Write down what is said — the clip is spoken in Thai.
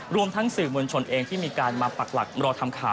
รวมทั้งสื่อมวลชนเองที่มีการมาปักหลักรอทำข่าว